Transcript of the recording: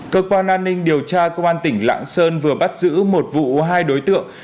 cơ quan an ninh điều tra công an tỉnh lạng sơn vừa bắt giữ một vụ hai đối tượng